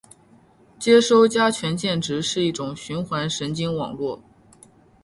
接收加权键值是一种循环神经网络